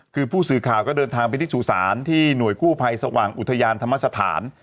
คือผู้สื่อข่าวก็เดินทางไปที่สู่ศาลที่หน่วยกู้ภัยสว่างอุทยานธรรมสถาน